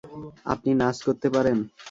আপনি নাচ করতে পারেন?